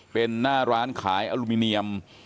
เป็นหน้าร้านขายอลูมิเนียม